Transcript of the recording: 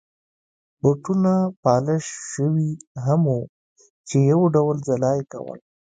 بوټونه پالش شوي هم وو چې یو ډول ځلا يې کول.